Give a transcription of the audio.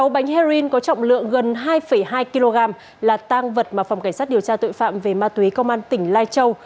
sáu bánh heroin có trọng lượng gần hai hai kg là tang vật mà phòng cảnh sát điều tra tội phạm về ma túy công an tỉnh lai châu